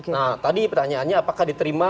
nah tadi pertanyaannya apakah diterima